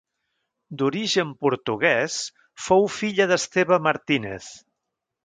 D'origen portuguès, fou filla d'Esteve Martínez.